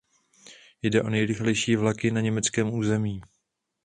Jde o nejrychlejší vlaky na německém území.